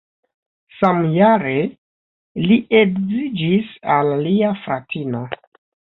Samjare li edziĝis al lia fratino.